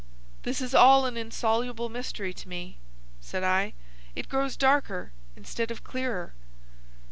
"This is all an insoluble mystery to me," said I. "It grows darker instead of clearer."